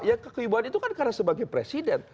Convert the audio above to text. ya kekelibatan itu kan karena sebagai presiden